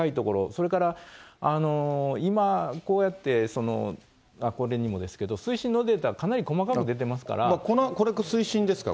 それから今、こうやってこれにもですけど、水深のデータ、これ、水深ですか。